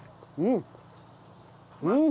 うん。